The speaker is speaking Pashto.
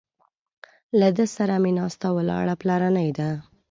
له ده سره مې ناسته ولاړه پلرنۍ ده.